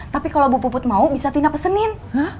tapi kalau bu puput mau bisa tina pesenin